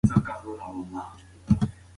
دا د دنیا او اخرت کامیابي ده.